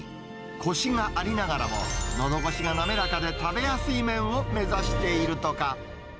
こしがありながらも、のどごしが滑らかで、食べやすい麺を目指しているとか。